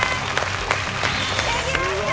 できました！